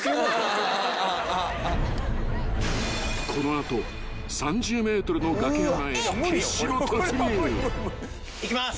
［この後３０ｍの崖穴へ決死の突入］行きます。